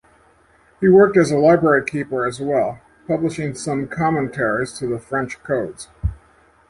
He worked as a library keeper as well, publishing some commentaries to the French Codes.